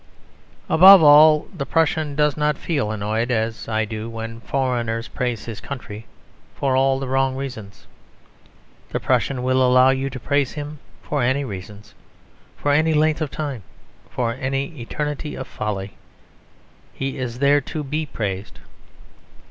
Above all, the Prussian does not feel annoyed, as I do, when foreigners praise his country for all the wrong reasons. The Prussian will allow you to praise him for any reasons, for any length of time, for any eternity of folly; he is there to be praised.